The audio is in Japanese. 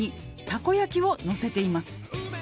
「たこ焼きをのせています」